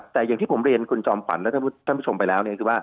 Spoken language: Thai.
แต่อย่างที่ผมเรียนคุณจอมฝันและท่านผู้ชมไปแล้ว